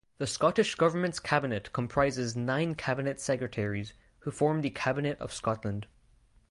The Scottish Government's cabinet comprises nine cabinet secretaries, who form the Cabinet of Scotland.